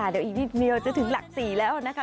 เดี๋ยวอีกนิดเดียวจะถึงหลัก๔แล้วนะคะ